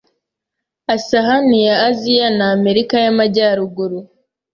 isahani ya Aziya na Amerika y'Amajyaruguru